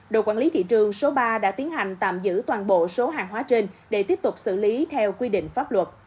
đội quản lý thị trường số ba đã tiến hành tạm giữ toàn bộ số hàng hóa trên để tiếp tục xử lý theo quy định pháp luật